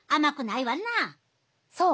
そう。